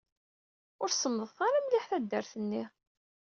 Ur semmḍet ara mliḥ taddart-nni.